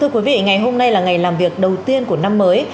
thưa quý vị ngày hôm nay là ngày làm việc đầu tiên của năm mới